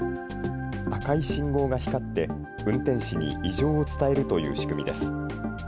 赤い信号が光って、運転士に異常を伝えるという仕組みです。